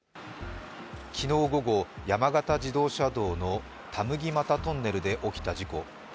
昨日午後、山形自動車道の田麦俣トンネルで起きた事故。